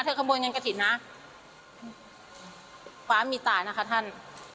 ขโมยเงินกระถิ่นนะฟ้ามีตายนะคะท่าน